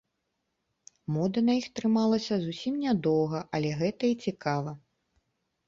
Мода на іх трымалася зусім нядоўга, але гэта і цікава.